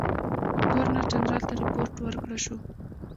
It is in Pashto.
ګورنر جنرال ته رپوټ ورکړه شو.